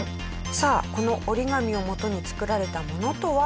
さあこの折り紙をもとに作られたものとは？